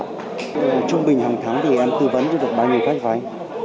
trung bình hàng tháng thì em tư vấn cho được bao nhiêu khách vay